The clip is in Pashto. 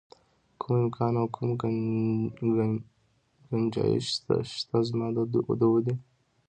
کوم امکان او کوم ګنجایش شته زما د ودې.